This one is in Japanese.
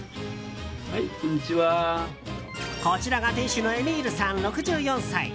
こちらが店主のエミールさん６４歳。